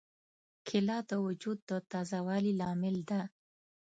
کېله د وجود د تازه والي لامل ده.